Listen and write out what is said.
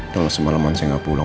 kalau semalam saya gak pulang